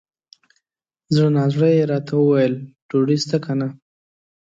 زړه نا زړه یې راته وویل ! ډوډۍ سته که نه؟